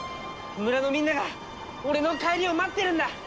村のみんなが俺の帰りを待ってるんだ！